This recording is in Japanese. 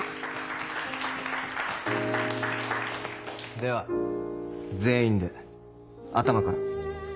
では全員で頭から。